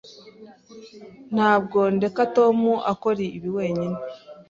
Ntabwo ndeka Tom akora ibi wenyine.